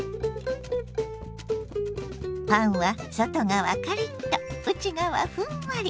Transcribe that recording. パンは外側カリッと内側ふんわり。